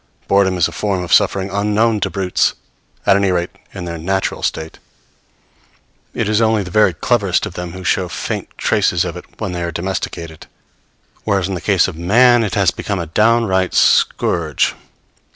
Boredom is a form of suffering unknown to brutes, at any rate in their natural state; it is only the very cleverest of them who show faint traces of it when they are domesticated; whereas in the case of man it has become a downright scourge.